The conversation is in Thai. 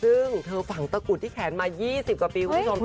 ซึ่งเธอฝังตะกุดที่แขนมา๒๐กว่าปีคุณผู้ชม